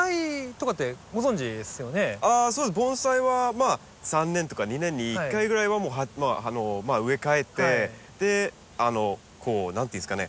あ盆栽は３年とか２年に１回ぐらいは植え替えてでこう何て言うんですかね